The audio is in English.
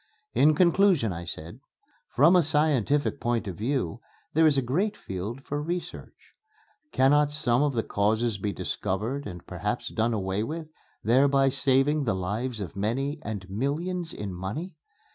In conclusion, I said, "From a scientific point of view there is a great field for research.... Cannot some of the causes be discovered and perhaps done away with, thereby saving the lives of many and millions in money?